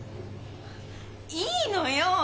いいのよ。